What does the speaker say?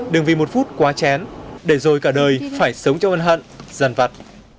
đừng vì một phút quá chén để rồi cả đời phải sống cho ân hận dần vật